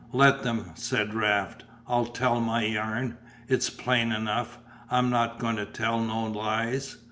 "Let them," said Raft, "I'll tell my yarn it's plain enough I'm not going to tell no lies.